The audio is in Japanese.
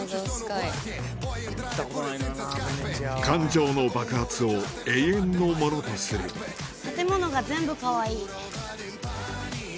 感情の爆発を永遠のものとする建物が全部かわいい。